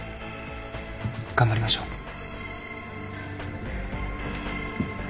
頑張りましょう。